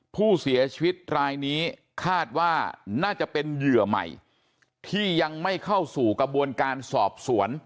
ผู้เสียชีวิตรายนี้คาดว่าน่าจะเป็นเหยื่อใหม่ที่ยังไม่เข้าสู่กระบวนการสอบสวน